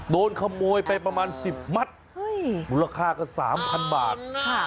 โดนขโมยไปประมาณ๑๐มัตต์มูลค่าก็๓๐๐๐บาท